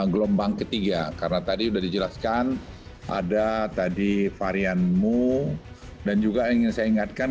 gelombang ketiga karena tadi sudah dijelaskan ada tadi varian mu dan juga ingin saya ingatkan